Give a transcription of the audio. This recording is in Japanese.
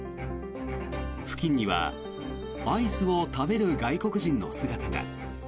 付近にはアイスを食べる外国人の姿が。